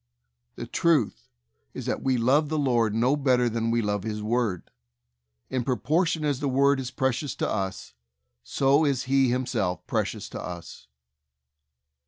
The truth is, that we love the Lord no better than we love His Word. In propor tion as the Word is precious to us, so is He Himself precious to us.